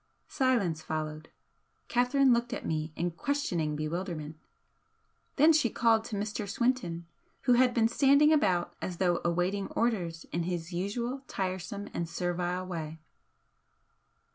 Silence followed. Catherine looked at me in questioning bewilderment, then she called to Mr. Swinton, who had been standing about as though awaiting orders in his usual tiresome and servile way.